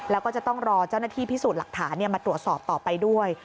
แล้วก็จะต้องรอเจ้าหน้าที่พิสูจน์หลักฐานมาตรวจสอบต่อไปด้วย